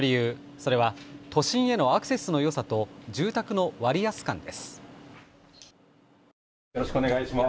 それは都心へのアクセスのよさと住宅の割安感です。